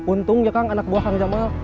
untung ya kang anak buah kang jamal